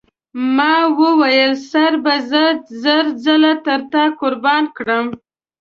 ما وویل سر به زه زر ځله تر تا قربان کړم.